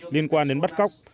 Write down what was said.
liên quan đến bắt cóc